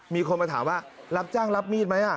มีคนมาถามว่ารับจ้างรับมีดไหม